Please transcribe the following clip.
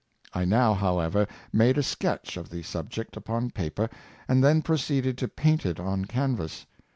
I now, however, made a sketch of the sub ject upon paper, and then proceeded to paint it on can vas.